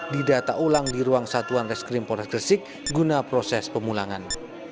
didata ulang di ruang satuan reskrim polres gresik guna proses pemulangan